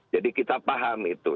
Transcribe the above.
jadi kita paham itu